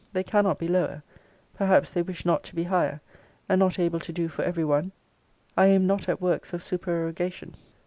They cannot be lower: perhaps they wish not to be higher: and, not able to do for every one, I aim not at works of supererogation.